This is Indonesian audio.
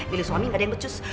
pilih suami gak ada yang becus